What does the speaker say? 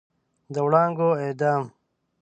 د وړانګو اعدام